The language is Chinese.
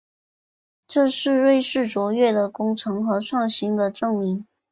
这是瑞士卓越的工程和创新的证明。